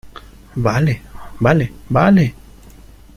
vale, vale , vale.